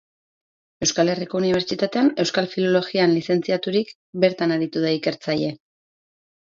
Euskal Herriko Unibertsitatean Euskal Filologian lizentziaturik, bertan aritu da ikertzaile.